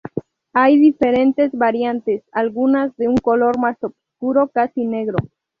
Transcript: Hay diferentes variantes, algunas de un color más oscuro, casi negro.